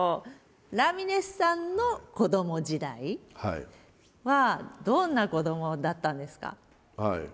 ラミレスさんの子ども時代はどんな子どもだったんですか？